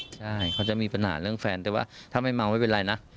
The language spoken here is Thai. ใช่เขาจะมีปัญหาเรื่องแฟนแต่ว่าถ้าไม่เมาไม่เป็นไรนะ